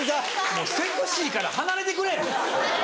もうセクシーから離れてくれ！